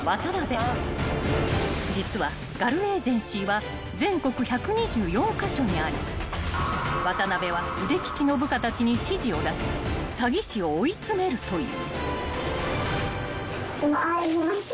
［実はガルエージェンシーは全国１２４カ所にあり渡邉は腕利きの部下たちに指示を出し詐欺師を追い詰めるという］